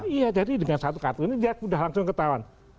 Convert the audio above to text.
iya jadi dengan satu kartu ini dia sudah langsung ketahuan